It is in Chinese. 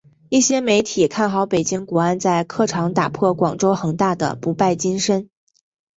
一些媒体看好北京国安在客场打破广州恒大的不败金身。